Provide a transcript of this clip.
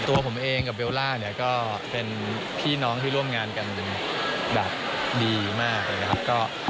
ตัวผมเองกับเบลล่าเนี่ยก็เป็นพี่น้องที่ร่วมงานกันแบบดีมากเลยนะครับ